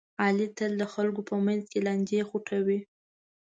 علي تل د خلکو په منځ کې لانجې خوټوي.